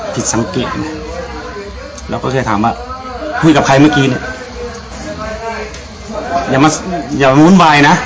ผิดสังเกตนะแล้วก็เคยถามว่าคุยกับใครเมื่อกี้เนี่ยอย่ามาอย่าวุ่นวายนะ